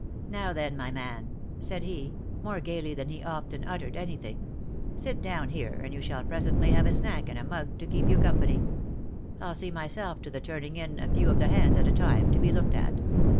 " Now then, my man," said he, more gaily than he often uttered any thing, " sit you down here, and you shall presently have a snack and a mug to keep you company. I'll see myself to the turning in a few of the hands at a time, to be looked at.